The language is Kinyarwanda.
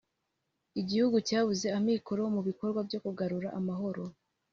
Igihugu cyabuze amikoro mu bikorwa byo kugarura amahoro